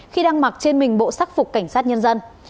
khi đang mặc trên mình bộ sắc phục cảnh sát nhân dân